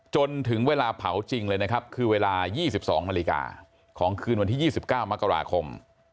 จนถึงเวลาเผาจริงเลยนะครับคือเวลา๒๒นาฬิกาของคืนวันที่๒๙มกราคม